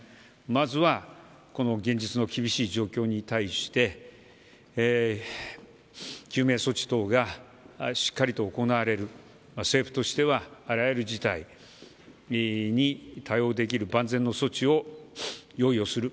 まずは、現実の厳しい状況に対して救命措置等がしっかりと行われる政府としてはあらゆる事態に対応できる万全の措置の用意をする。